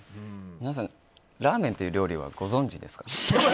皆さん、ラーメンという料理はご存じですか？